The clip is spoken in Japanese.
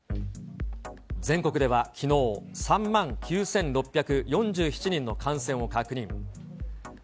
全国ではきのう、３万９６４７人の感染を確認。